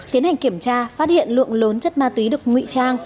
tiến hành kiểm tra phát hiện lượng lớn chất ma túy được ngụy trang